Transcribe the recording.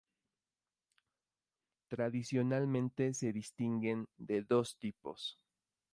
Tradicionalmente se distinguen de dos tipos.